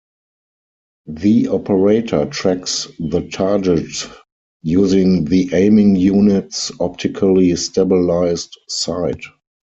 The operator tracks the target using the aiming unit's optically stabilized sight.